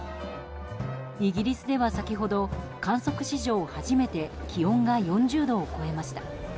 イギリスでは先ほど観測史上初めて気温が４０度を超えました。